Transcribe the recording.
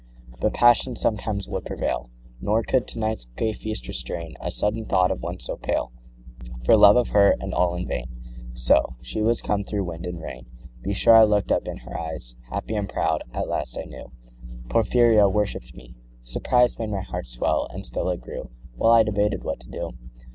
25 But passion sometimes would prevail, Nor could to night's gay feast restrain A sudden thought of one so pale For love of her, and all in vain: So, she was come through wind and rain. 30 Be sure I look'd up at her eyes Happy and proud; at last I knew Porphyria worshipp'd me; surprise Made my heart swell, and still it grew While I debated what to do.